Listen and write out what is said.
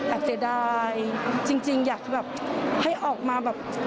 เสียดายจริงอยากแบบให้ออกมาแบบ